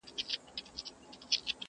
جهاني رامعلومېږي د شفق له خوني سترګو،